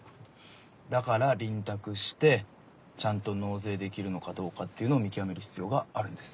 だから臨宅してちゃんと納税できるのかどうかっていうのを見極める必要があるんです。